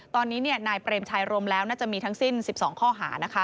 ตอนนี้นายเปรมชัยรวมแล้วน่าจะมีทั้งสิ้น๑๒ข้อหานะคะ